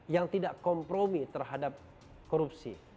yang tidak kompromi terhadap korupsi